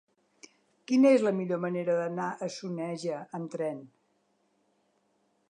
Quina és la millor manera d'anar a Soneja amb tren?